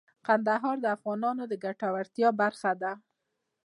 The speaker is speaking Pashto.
کندهار د افغانانو د ګټورتیا برخه ده.